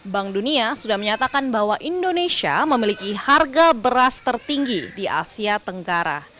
bank dunia sudah menyatakan bahwa indonesia memiliki harga beras tertinggi di asia tenggara